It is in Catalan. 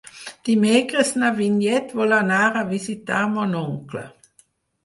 Dimecres na Vinyet vol anar a visitar mon oncle.